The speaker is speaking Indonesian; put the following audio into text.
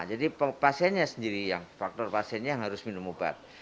jadi vaksinnya sendiri yang harus minum obat